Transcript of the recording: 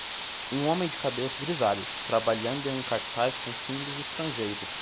Um homem de cabelos grisalhos, trabalhando em um cartaz com símbolos estrangeiros.